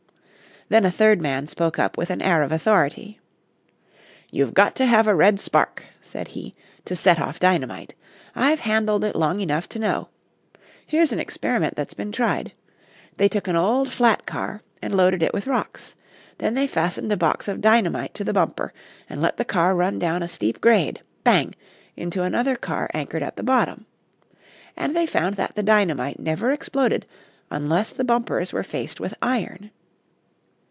Then a third man spoke up with an air of authority. "You've got to have a red spark," said he, "to set off dynamite. I've handled it long enough to know. Here's an experiment that's been tried: They took an old flat car and loaded it with rocks; then they fastened a box of dynamite to the bumper, and let the car run down a steep grade, bang! into another car anchored at the bottom. And they found that the dynamite never exploded unless the bumpers were faced with iron.